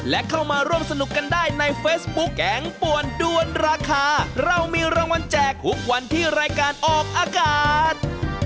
และเข้ามาร่วมสนุกกันได้ในเฟซบุ๊กแกงป่วนด้วนราคาเรามีรางวัลแจกทุกวันที่รายการออกอากาศ